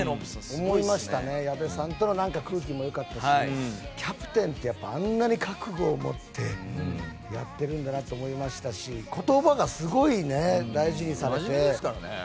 矢部さんとの空気もよかったしキャプテンってあんなに覚悟を持ってやってるんだなと思いましたし言葉がすごい大事にされて。